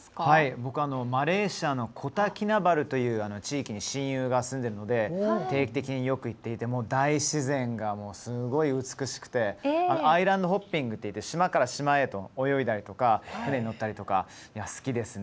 僕、マレーシアのコタキナバルという地域に地域に親友が住んでいるので定期的によく行っていて大自然がすごい美しくてアイランドホッピングといって島から島へと泳いだり船に乗ったりとか好きですね。